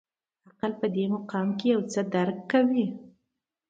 عقل په دې مقام کې یو څه درک کوي.